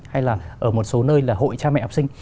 hay là ở một số nơi là hội cha mẹ học sinh